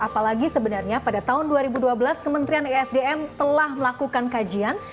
apalagi sebenarnya pada tahun dua ribu dua belas kementerian esdm telah melakukan kajian